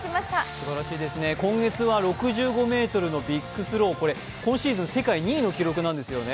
すばらしいですね、今月は６５ｍのビッグスロー、これ、今シーズン世界２位の記録なんですよね。